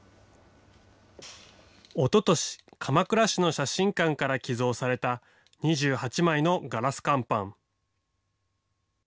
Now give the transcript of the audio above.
おととし、鎌倉市の写真館から寄贈された２８枚のガラス乾板。